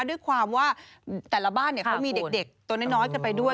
ด้วยความว่าแต่ละบ้านเขามีเด็กตัวน้อยกันไปด้วย